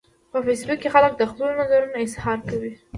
په فېسبوک کې خلک د خپلو نظرونو اظهار کوي